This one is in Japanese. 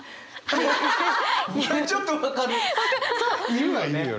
いるはいるよね。